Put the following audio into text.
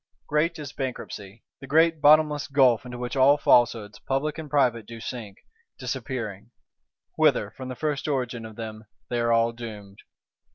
Great is Bankruptcy: the great bottomless gulf into which all Falsehoods, public and private, do sink, disappearing; whither, from the first origin of them, they were all doomed.